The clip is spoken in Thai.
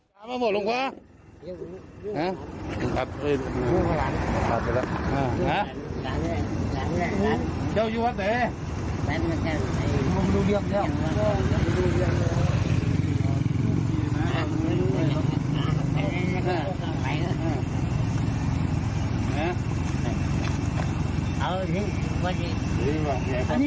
ครั้นฉันนี่